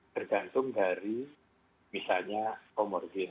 tergantung dari misalnya komorgin